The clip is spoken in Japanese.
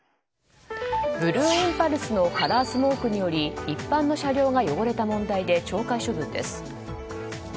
ブルーインパルスのカラースモークにより一般の車両が汚れた問題で懲戒処分です。